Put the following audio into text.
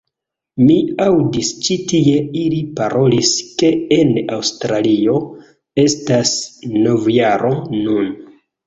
Mi aŭdis ĉi tie ili parolis ke en Aŭstralio estas novjaro nun